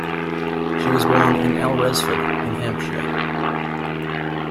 She was born at Alresford in Hampshire.